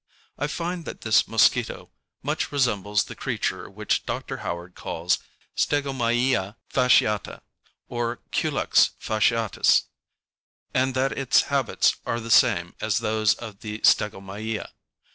I find that this mosquito much resembles the creature which Dr. Howard calls Stegomyia fasciata, or Culex fasciatus: and that its habits are the same as those of the Stegomyia.